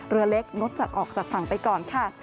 เรือเล็กงดจัดออกจากฝั่งไปก่อนค่ะ